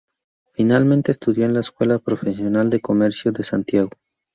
Finalmente estudió en la Escuela Profesional de Comercio de Santiago.